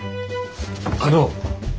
あの。